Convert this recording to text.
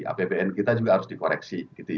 apbn kita juga harus dikoreksi